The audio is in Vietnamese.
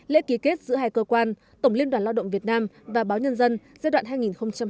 lễ ký kết giữa hai cơ quan tổng liên đoàn lao động việt nam và báo nhân dân giai đoạn hai nghìn hai mươi hai nghìn hai mươi năm